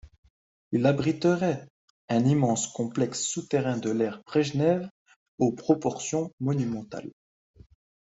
Il abriterait un immense complexe souterrain de l'ère Brejnev aux proportions monumentales.